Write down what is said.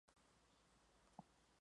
Visitas concertadas en grupos.